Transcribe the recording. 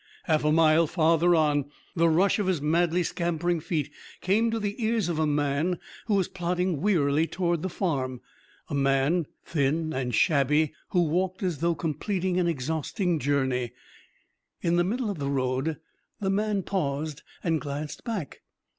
Half a mile farther on, the rush of his madly scampering feet came to the ears of a man who was plodding wearily toward the farm a man thin and shabby, who walked as though completing an exhausting journey. In the middle of the road the man paused and glanced back.